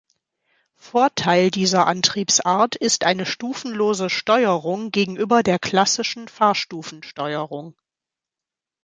Vorteil dieser Antriebsart ist eine stufenlose Steuerung gegenüber der klassischen Fahrstufen-Steuerung.